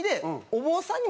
お坊さんに？